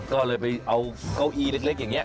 ก็เลยไปเอาเก้าอี้เล็กอย่างนี้